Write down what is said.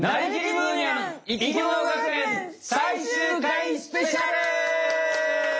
むーにゃん生きもの学園」最終回スペシャル！